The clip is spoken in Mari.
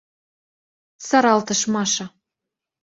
— сыралтыш Маша.